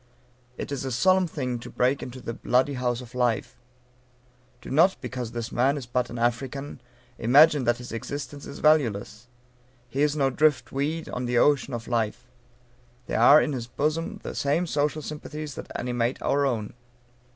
It is a solemn thing to break into the "bloody house of life." Do not, because this man is but an African, imagine that his existence is valueless. He is no drift weed on the ocean of life. There are in his bosom the same social sympathies that animate our own.